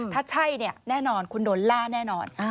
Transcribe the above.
ถ้าใช่แน่นอนคุณโดนล่าแน่นอน